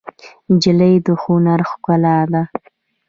نجلۍ د هنر ښکلا ده.